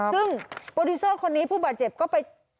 ซึ่งโปรดิวเซอร์คนนี้ผู้บาดเจ็บก็ไป